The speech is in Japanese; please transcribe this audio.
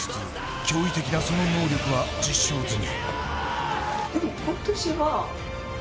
驚異的なその能力は実証済み。